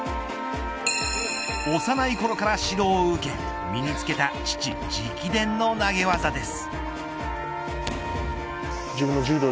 幼いから指導を受け身につけた父、直伝の投げ技です。